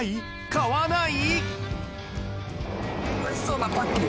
買わない？